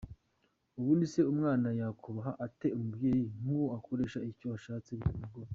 Ubundi se umwana yakubaha ate umubyeyi nk’uwo akoresha icyo ashatse bitamugoye ?.